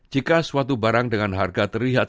jika suatu barang dengan harga terlihat